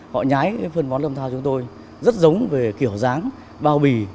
họ nhái phân bón lâm thao chúng tôi rất giống về kiểu dáng bao bì